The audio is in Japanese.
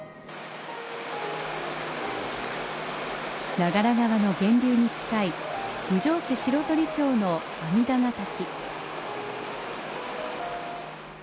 長良川の源流に近い郡上市白鳥町の阿弥陀ヶ滝。